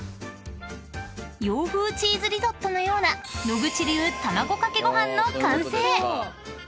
［洋風チーズリゾットのような野口流たまごかけごはんの完成］